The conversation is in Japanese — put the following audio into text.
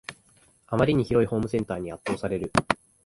あまりに広いホームセンターに圧倒される